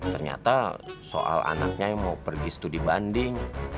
ternyata soal anaknya yang mau pergi studi banding